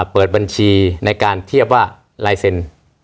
เปิดบัญชีในการเทียบว่าลายเซ็นต์